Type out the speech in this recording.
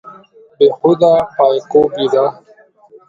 بې هوده پایکوبي ده.